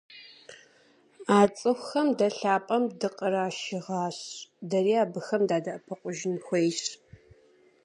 А цӀыхухэм дэ лӀапӀэм дыкърашыгъащ, дэри абыхэм дадэӀэпыкъужын хуейщ.